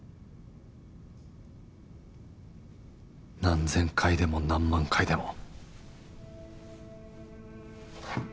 何千回でも何万回でも